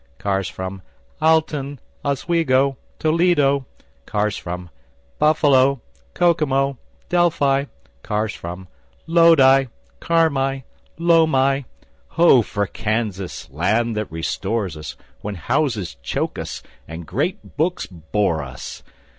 Cars from Alton, Oswego, Toledo. Cars from Buffalo, Kokomo, Delphi, Cars from Lodi, Carmi, Loami. Ho for Kansas, land that restores us When houses choke us, and great books bore us!